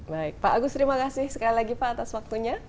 baik pak agus terima kasih sekali lagi pak atas waktunya